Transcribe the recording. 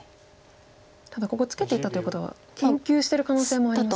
ただここツケていったということは研究してる可能性もありますか。